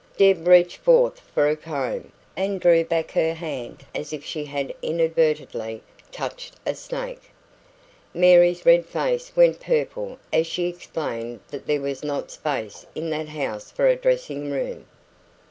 Deb reached forth for a comb, and drew back her hand as if she had inadvertently touched a snake. Mary's red face went purple as she explained that there was not space in that house for a dressing room.